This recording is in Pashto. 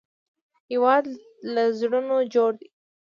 هېواد له زړونو جوړ دی